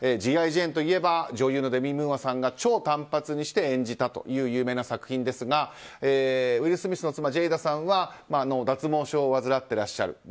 「Ｇ．Ｉ．ジェーン」といえば女優のデミ・ムーアさんが超短髪にして演じたという有名な作品ですがウィル・スミスさんの妻ジェイダさんは脱毛症を患っていらっしゃる。